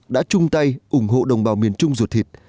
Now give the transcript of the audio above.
đã chung tay ủng hộ đồng bào miền trung ruột thịt